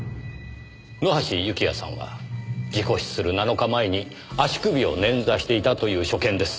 野橋幸也さんは事故死する７日前に足首を捻挫していたという所見です。